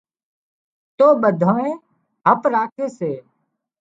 تو ٻڌانئي هپ راکي سي